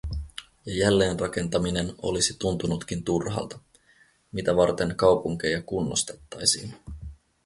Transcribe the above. Ja jälleenrakentaminen olisi tuntunutkin turhalta… Mitä varten kaupunkeja kunnostettaisiin?